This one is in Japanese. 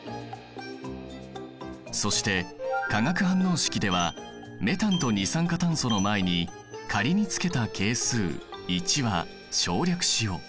そして化学反応式ではメタンと二酸化炭素の前に仮につけた係数１は省略しよう。